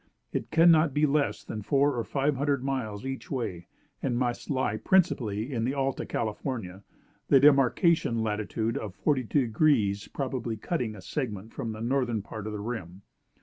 It cannot be less than four or five hundred miles each way, and must lie principally in the Alta California; the demarcation latitude of 42° probably cutting a segment from the north part of the rim.